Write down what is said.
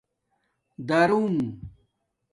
دِرݸم